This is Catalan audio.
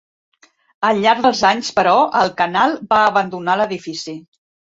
Al llarg dels anys, però, el canal va abandonar l'edifici.